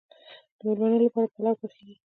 د میلمنو لپاره پلو پخیږي.